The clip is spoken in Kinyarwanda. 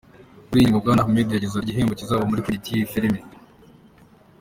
Kuri iyi ngingo, Bwana Ahmed yagize ati, “Igihembo kizava muri credit y’iyi filime.